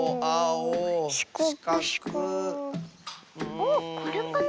あっこれかな？